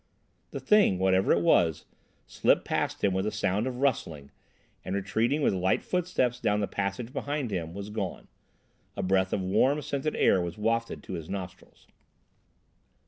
The thing, whatever it was, slipped past him with a sound of rustling and, retreating with light footsteps down the passage behind him, was gone. A breath of warm, scented air was wafted to his nostrils.